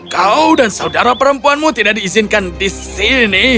kau dan saudara perempuanmu tidak diizinkan di sini